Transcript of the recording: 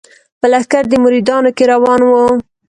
په لښکر د مریدانو کي روان وو